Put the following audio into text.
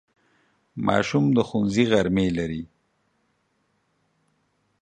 ماشوم د ښوونځي غرمې لري.